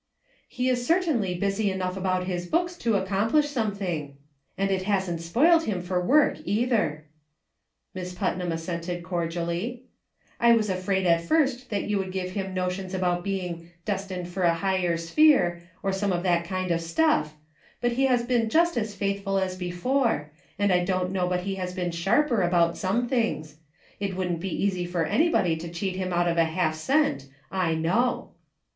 " He is certainly busy enough about his books to accomplish something; and it hasn't spoiled him for work, either," Miss Putnam assented cor dially ;" I was afraid at first that you would give him notions about being 'destined for a higher SAGE CONCLUSIONS. I65 sphere/ or some of that kind of stuff, but he has been just as faithful as before; and I don't know but he has been sharper about some things; it wouldn't be easy for anybody to cheat him out of a half cent, I know."